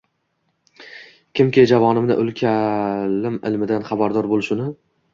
“Kimki javomi’ul kalim ilmidan xabardor bo‘lishni